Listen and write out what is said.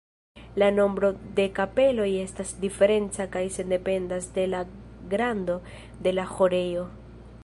La nombro de kapeloj estas diferenca kaj dependas de la grando de la ĥorejo.